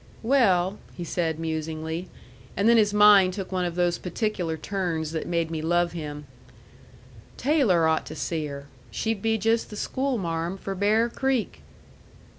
"Well," he said musingly, and then his mind took one of those particular turns that made me love him, "Taylor ought to see her. She'd be just the schoolmarm for Bear Creek!"